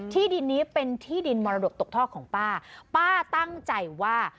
ที่ดินนี้เป็นที่ดินมรดกตกท่อของป้าป้าตั้งใจว่า